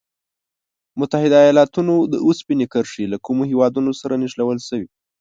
متحد ایلاتونو د اوسپنې کرښې له کومو هېوادونو سره نښلول شوي؟